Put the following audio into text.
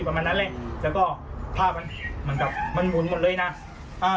ประมาณนั้นเลยแล้วก็ภาพมันกลับมันหมุนหมดเลยนะ